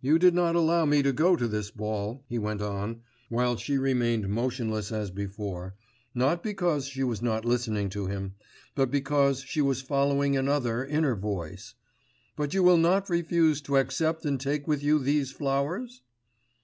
You did not allow me to go to this ball,' he went on, while she remained motionless as before, not because she was not listening to him, but because she was following another inner voice, 'but you will not refuse to accept and take with you these flowers?